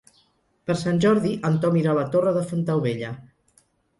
Per Sant Jordi en Tom irà a la Torre de Fontaubella.